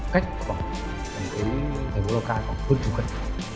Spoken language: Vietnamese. cách gần đến lào cai còn hơn chút cách